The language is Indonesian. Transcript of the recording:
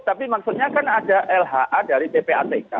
tapi maksudnya kan ada lha dari ppatk